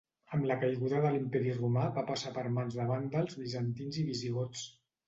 Amb la caiguda de l'imperi Romà va passar per mans de Vàndals, Bizantins i Visigots.